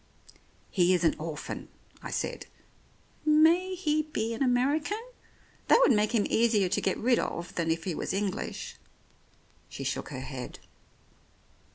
"He is an orphan," I said. "And may he be an American ? That would make him easier to get rid of than if he was English." She shook her head.